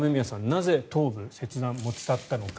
なぜ頭部を切断、持ち去ったのか。